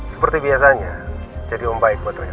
seperti biasanya jadi om baik buat rena